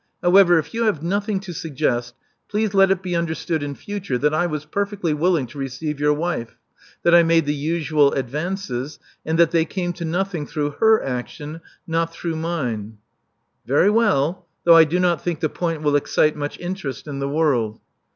However, if you have nothing to suggest, please let it be understood in future that I was perfectly willing to receive your wife; that I made the usual advances; and that they came to nothing through her action, not through mine." *'Very well, though I do not think the point will excite much interest in the world."